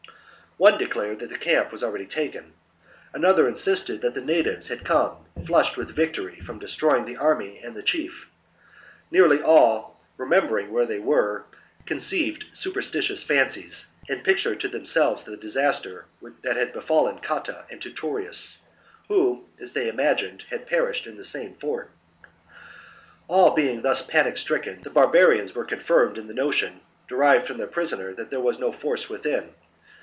One declared that the camp was already taken ; another insisted that the natives had come, flushed with victory, from destroying the army and the chief"; nearly all, remembering where they were, con ceived superstitious fancies and pictured to them selves the disaster that had befallen Cotta and Titurius, who, as they imagined, had perished in the same fort All being thus panic stricken, the barbarians were confirmed in the notion, derived from their prisoner, that there was no force within.